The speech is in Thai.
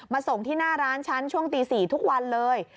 ส่งที่หน้าร้านฉันช่วงตี๔ทุกวันเลย